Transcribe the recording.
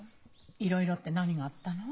「いろいろ」って何があったの？